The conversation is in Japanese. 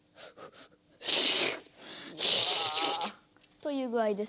という具合です。